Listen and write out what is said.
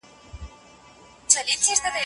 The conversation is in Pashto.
ټکنالوژي د ژبو زده کړه د نړۍ هر ګوټ ته رسولي ده.